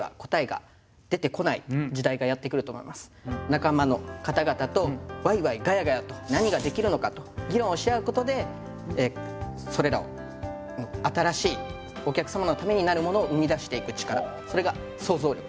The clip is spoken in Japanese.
仲間の方々とワイワイガヤガヤと何ができるのかと議論をし合うことでそれらを新しいお客様のためになるものを生み出していくチカラそれが「騒々力」。